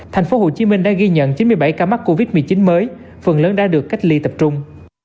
thành phố hồ chí minh đã ghi nhận chín mươi bảy ca mắc covid một mươi chín mới phần lớn đã được cách ly tập trung